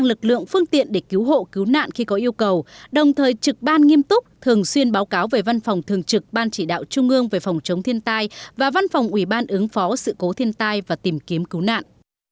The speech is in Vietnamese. lực lượng phương tiện để cứu hộ cứu nạn khi có yêu cầu đồng thời trực ban nghiêm túc thường xuyên báo cáo về văn phòng thường trực ban chỉ đạo trung ương về phòng chống thiên tai và văn phòng ủy ban ứng phó sự cố thiên tai và tìm kiếm cứu nạn